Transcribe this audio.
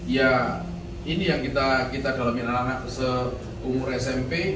ya ini yang kita dalamin anak anak seumur smp